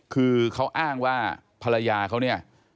คือเขาอ้างว่าภรรยาเขาเนี่ย